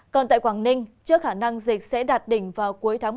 còn tại quảng ninh trước khả năng dịch sẽ đạt đỉnh vào cuối tháng một